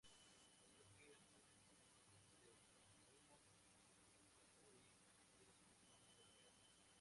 Yuki es un pseudónimo, aunque Kaori si es su nombre real.